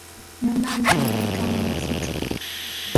Mamaami shuwaraykaaman wasichaw.